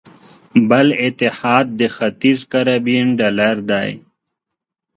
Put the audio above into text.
بل اتحاد د ختیځ کارابین ډالر دی.